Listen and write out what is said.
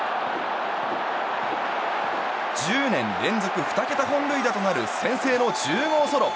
１０年連続２桁本塁打となる先制の１０号ソロ。